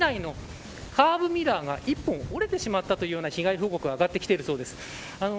さらに市内のカーブミラーが１本折れてしまったという被害報告があがってきているそうです。